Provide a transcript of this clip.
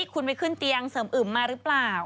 คุณไปขึ้นเตียงเสริมอึมมาหรือเปล่า